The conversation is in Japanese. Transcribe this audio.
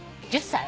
１０歳。